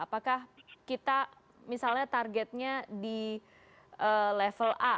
apakah kita misalnya targetnya di level a